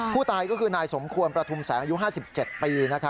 ผู้ตายก็คือนายสมควรประทุมแสงอายุ๕๗ปี